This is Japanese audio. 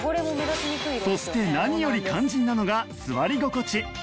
そして何より肝心なのが座り心地